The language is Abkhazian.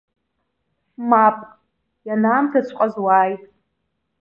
Мап, ианаамҭаҵәҟьаз уааит.